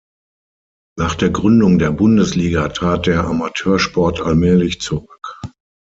Nach der Gründung der Bundesliga trat der Amateursport allmählich zurück.